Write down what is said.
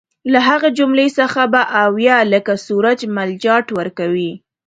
له هغې جملې څخه به اویا لکه سورج مل جاټ ورکوي.